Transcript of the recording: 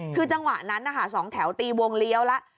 คือจังหวะนั้นนะคะสองแถวตีวงเลี้ยวแล้ว